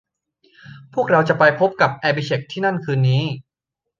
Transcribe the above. พวกเราจะไปพบกับแอบิเช็คที่นั่นคืนนี้